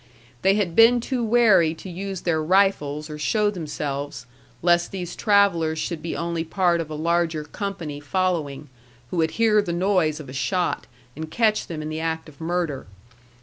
They had been too wary to use their rifles or show themselves, lest these travellers should be only part of a larger company following, who would hear the noise of a shot, and catch them in the act of murder.